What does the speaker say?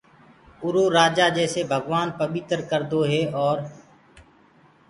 اُرو رآجآ جيسي ڀگوآن پٻيٚتر ڪردوئي اورَ